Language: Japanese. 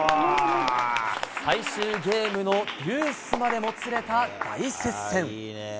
最終ゲームのデュースまでもつれた大接戦。